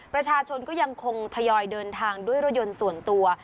ประชาชนก็ยังคงทยอยเดินทางด้วยรถยนต์ส่วนตัว